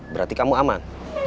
berarti kamu aman